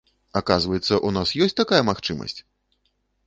Аказваецца, у нас ёсць такая магчымасць!